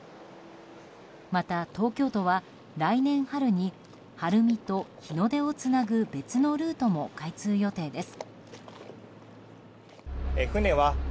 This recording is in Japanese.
また、東京都は来年春に晴海と日の出をつなぐ別のルートも開通予定です。